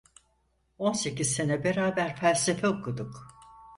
On sekiz sene beraber felsefe okuduk.